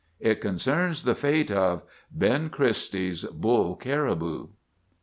It concerns the fate of— 'BEN CHRISTIE'S BULL CARIBOU.